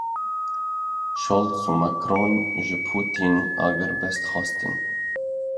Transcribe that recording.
Scholz û Macron ji Putîn agirbest xwestin.